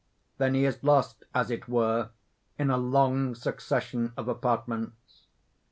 Then he is lost, as it were, in a long succession of apartments.